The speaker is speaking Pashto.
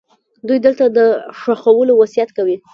دوی دلته د ښخولو وصیت کوي.